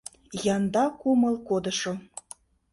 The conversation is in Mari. Янда кумыл кодышо.